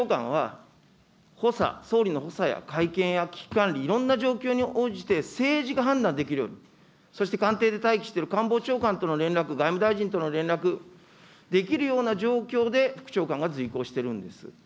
副長官は、補佐、総理の補佐や会見や危機管理いろんな状況に応じて政治が判断できるように、そして官邸で待機している官房長官との連絡、外務大臣との連絡、できるような状況で、副長官が随行しているんです。